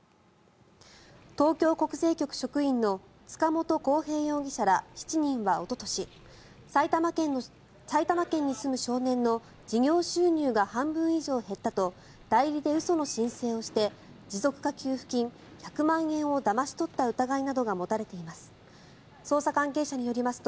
東京国税局職員の塚本晃平容疑者ら７人はおととし、埼玉県に住む少年の事業収入が半分以上減ったと代理で嘘の申請をして持続化給付金１００万円をだまし取った疑いなどが持たれています。